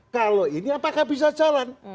kalau ini apakah bisa jalan